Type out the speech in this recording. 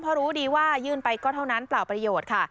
เพราะรู้ดีว่ายื่นไปก็เท่านั้นเปล่าประโยชน์ค่ะ